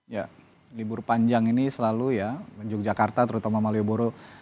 ya libur panjang ini selalu ya yogyakarta terutama malioboro